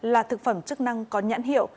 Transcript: là thực phẩm chức năng có nhãn hiệu